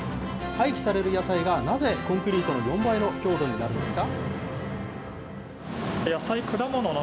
廃棄される野菜が、なぜコンクリートの４倍の強度になるんですか。